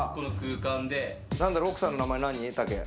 奥さんの名前何？